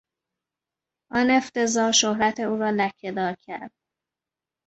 آن افتضاح شهرت او را لکهدار کرد.